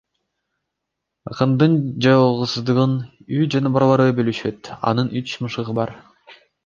Акындын жалгыздыгын үй жаныбарлары бөлүшөт — анын үч мышыгы бар.